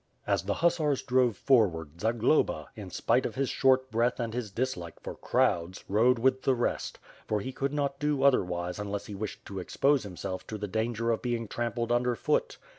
As the hussars drove forward, Zagloba, in spite of his short breath and his dislike for crowds, rode with the rest; for he could not do otherwise unless he wished to expose himself to the danger of being trampled under foot.